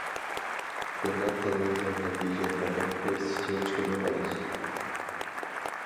بۇنداق قىلغاندا نەتىجە پەقەت ئەكسىچە چىقىدۇ خالاس.